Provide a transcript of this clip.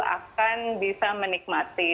akan bisa menikmati